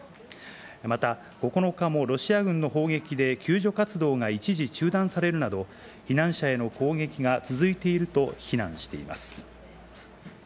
また、９日もロシア軍の砲撃で救助活動が一時中断されるなど、避難者への攻撃が続いていると非難しています。